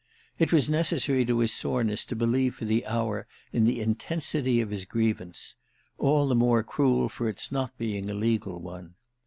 It was necessary to his soreness to believe for the hour in the intensity of his grievance—all the more cruel for its not being a legal one.